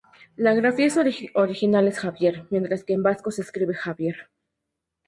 La grafía original es "Xavier", mientras que en vasco se escribe "Xabier".